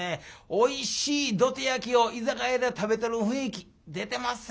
おいしいどて焼きを居酒屋で食べてる雰囲気出てまっせ。